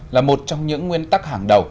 là một trong những nguyên tắc hàng đầu